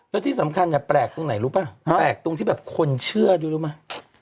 แล้วที่สำคัญเนี่ยแปลกตรงไหนรู้ป่ะแปลกตรงที่แบบคนเชื่อดูรู้ไหม